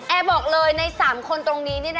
บอกเลยใน๓คนตรงนี้